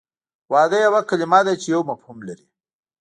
واده یوه کلمه ده چې یو مفهوم لري